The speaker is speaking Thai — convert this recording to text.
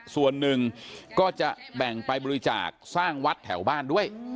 ส่วนหนึ่งก็จะแบ่งไปบริจาคสร้างวัดแถวบ้านด้วย